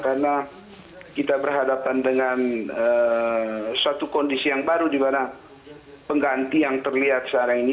karena kita berhadapan dengan suatu kondisi yang baru di mana pengganti yang terlihat sekarang ini